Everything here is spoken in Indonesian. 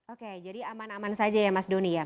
oke jadi aman aman saja ya mas doni ya